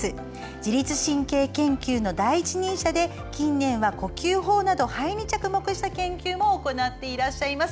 自律神経研究の第一人者で近年は呼吸法など肺に着目した研究も行っていらっしゃいます。